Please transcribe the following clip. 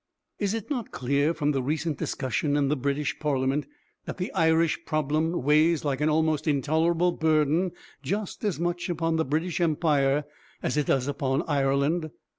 ''" Is it not clear from the recent discussion in the British Parliament that the Irish problem weighs like an almost intolerable burden just as much upon the British Empire as it does upon Ireland?